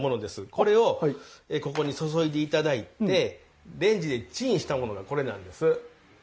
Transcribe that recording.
これをここに注いでいただいてレンジでチンしたものがこれなんです。